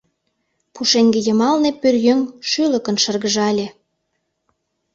Пушеҥге йымалне пӧръеҥ шӱлыкын шыргыжале: